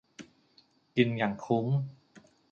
กินอย่างคุ้ม